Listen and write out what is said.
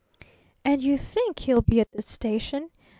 "And you think he'll be at the station?"